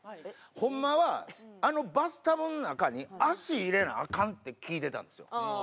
ホンマはあのバスタブの中に足入れなアカンって聞いてたんですよ。